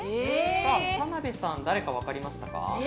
田辺さん、誰か分かりましたか？